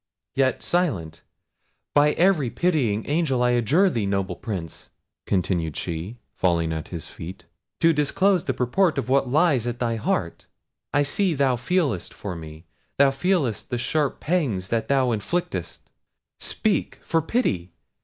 Yet silent! By every pitying angel, I adjure thee, noble Prince," continued she, falling at his feet, "to disclose the purport of what lies at thy heart. I see thou feelest for me; thou feelest the sharp pangs that thou inflictest—speak, for pity!